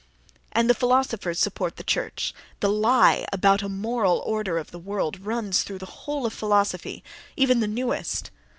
And the philosophers support the church: the lie about a "moral order of the world" runs through the whole of philosophy, even the newest.